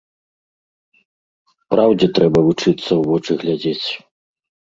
Праўдзе трэба вучыцца ў вочы глядзець.